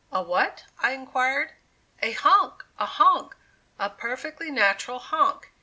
"A what?" I inquired. "A honk! a honk! a perfectly natural honk!